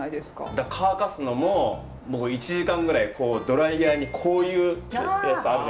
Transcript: だから乾かすのも僕１時間ぐらいドライヤーにこういうやつあるじゃないですか。